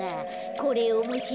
これおもしろいな。